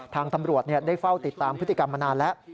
ทางตำรวจได้เฝ้าติดตามพฤติกรรมมานานแล้ว